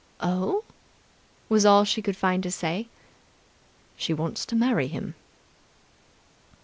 "Oh?" was all she could find to say. "She wants to marry him."